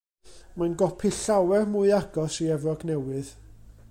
Mae'n gopi llawer mwy agos i Efrog Newydd.